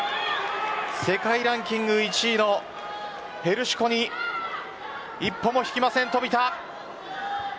世界ランキング１位のヘルシュコに一歩も引きません冨田。